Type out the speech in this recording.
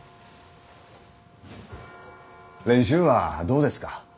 練習はどうですか？